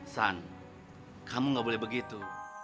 san kamu gak boleh begitu